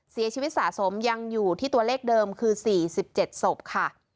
เสียชีวิตสะสมยังอยู่ที่ตัวเลขเดิมคือ๔๗ศพค่ะ